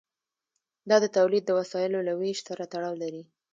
دا د تولید د وسایلو له ویش سره تړاو لري.